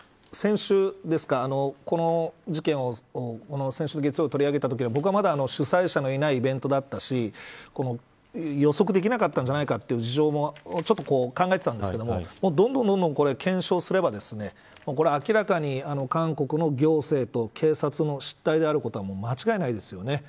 この事件を先週の月曜日取り上げのときは僕はまだ、主催者のいないイベントだったし予測できなかったんじゃないかという事情もちょっと考えてたんですけどどんどん検証すれば明らかに、韓国の行政と警察の失態であることは間違いないですよね。